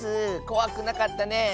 こわくなかったねえ。